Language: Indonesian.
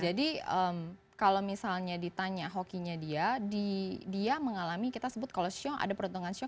jadi kalau misalnya ditanya hokinya dia dia mengalami kita sebut kalau shiong ada perhitungan shiong